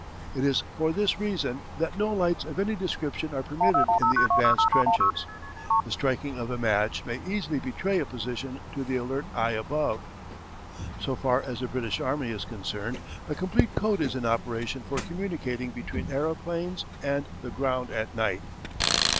It is for this reason that no lights of any description are permitted in the advance trenches. The striking of a match may easily betray a position to the alert eye above. So far as the British Army is concerned a complete code is in operation for communicating between aeroplanes and the ground at night.